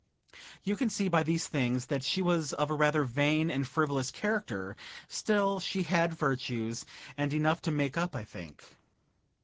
You can see by these things that she was of a rather vain and frivolous character; still, she had virtues, and enough to make up, I think.